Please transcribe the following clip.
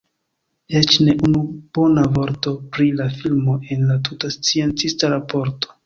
Eĉ ne unu bona vorto pri la filmo en la tuta sciencista raporto.